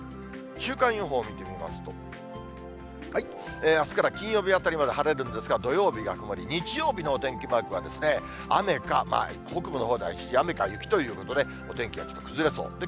週間予報を見てみますと、あすから金曜日あたりまで晴れるんですが、土曜日が曇り、日曜日のお天気マークは、雨か、北部のほうでは一時雨か雪ということで、お天気はちょっと崩れそう。